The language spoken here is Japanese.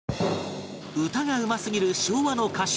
歌がうますぎる昭和の歌手